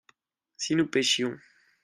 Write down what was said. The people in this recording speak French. si nous pêchions.